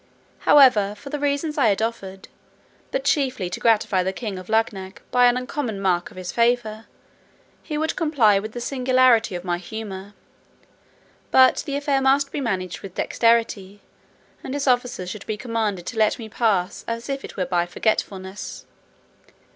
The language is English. However, for the reasons I had offered, but chiefly to gratify the king of Luggnagg by an uncommon mark of his favour, he would comply with the singularity of my humour; but the affair must be managed with dexterity, and his officers should be commanded to let me pass, as it were by forgetfulness.